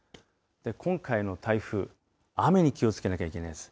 今回の台風雨に気をつけなきゃいけないです。